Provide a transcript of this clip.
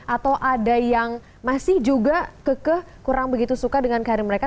atau ada yang masih juga kekeh kurang begitu suka dengan karir mereka